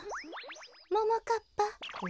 ももかっぱ。